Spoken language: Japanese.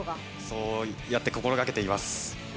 そうやって心がけています。